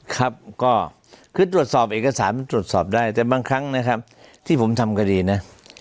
ครับก็คือตรวจสอบเอกสารมันตรวจสอบได้แต่บางครั้งนะครับที่ผมทำคดีนะ